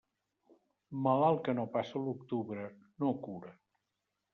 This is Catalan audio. Malalt que no passa l'octubre, no cura.